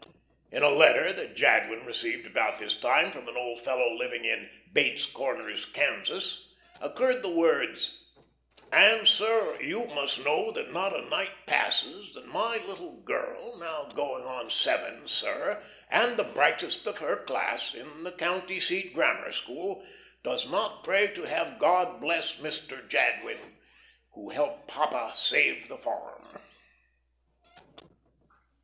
In a letter that Jadwin received about this time from an old fellow living in "Bates Corners," Kansas, occurred the words: " and, sir, you must know that not a night passes that my little girl, now going on seven, sir, and the brightest of her class in the county seat grammar school, does not pray to have God bless Mister Jadwin, who helped papa save the farm."